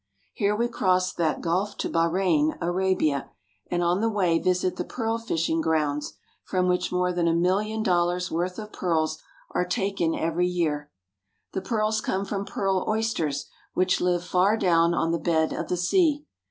Here we cross that Gulf to Bahrein (ba ran'), Arabia, and on the way visit the pearl fishing grounds from which more than a million dollars' worth of pearls are taken every year. The pearls come from pearl oysters, which live far down on the bed of the sea.